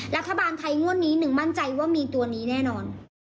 รัฐบาลไทยงวดนี้หนึ่งมั่นใจว่ามีตัวนี้แน่นอน